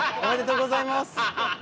おめでとうございます。